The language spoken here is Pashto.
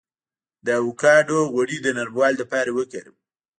د ایوکاډو غوړي د نرموالي لپاره وکاروئ